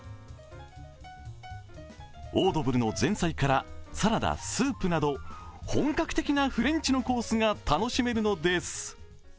オードブルの前菜からサラダ、スープなど本格的なフレンチのコースが楽しめるのです。